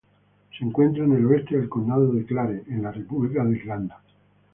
Se encuentra en el oeste del condado de Clare en la República de Irlanda.